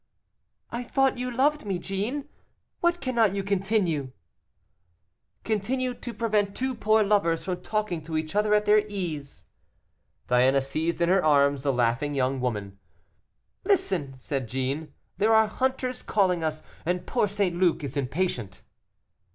"I thought you loved me, Jeanne. What cannot you continue?" "Continue to prevent two poor lovers from talking to each other at their ease." Diana seized in her arms the laughing young woman. "Listen!" said Jeanne, "there are the hunters calling us, and poor St. Luc is impatient."